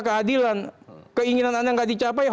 keadilan keinginan anda nggak dicapai